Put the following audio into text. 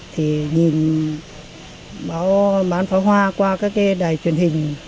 thì nhìn báo bán pháo hoa qua các cái đài truyền hình